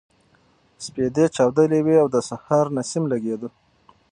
سپېدې چاودلې وې او د سهار نسیم لګېده.